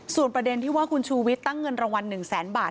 ส่วนประเด็นที่ว่าคุณชูวิทย์ตั้งเงินรางวัล๑แสนบาท